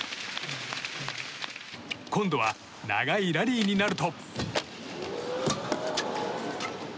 今度は、長いラリーになると。